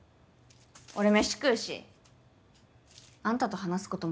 俺飯食うしあんたと話すこと